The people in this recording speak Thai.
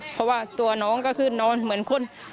เพราะว่าตัวน้องก็คือนอนเหมือนคน